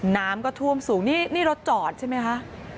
น้ำก็ท่วมสูงนี่นี่รถจอดใช่ไหมคะ